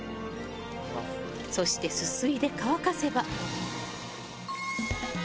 そしてすすいで乾かせば。